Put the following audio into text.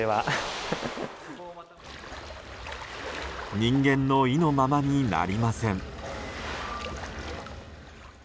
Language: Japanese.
人間の意のままになりません。